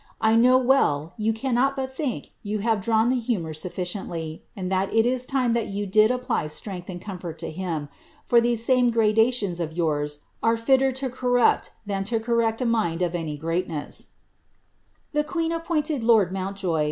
I know mtt you cannot but think you bare drawn the humour sufGcinitJy, aiid ibl il is time that you did npply strength snd comfort to him, for ihat mat grad»uons of youra are litler to comipl than to correct a mind of taj The queen appointed lord Mountjoye.